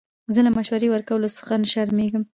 زه له مشورې ورکولو څخه نه شرمېږم.